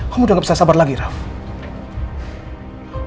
kamu udah gak bisa sabar lagi raff